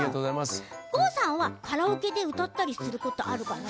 郷さんはカラオケで歌ったことあるかな？